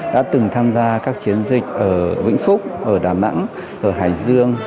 đã từng tham gia các chiến dịch ở vĩnh phúc ở đà nẵng ở hải dương